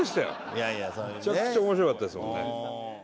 めちゃくちゃ面白かったですもんね。